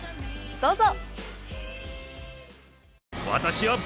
どうぞ。